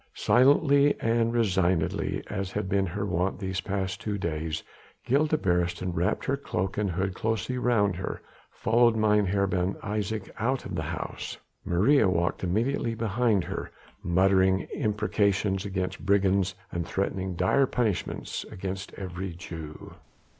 Silently and resignedly as had been her wont these past two days Gilda Beresteyn, wrapping her cloak and hood closely round her, followed Mynheer Ben Isaje out of the house. Maria walked immediately behind her, muttering imprecations against brigands, and threatening dire punishments against every Jew.